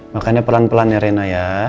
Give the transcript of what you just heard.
makanya pelan pelan ya rena ya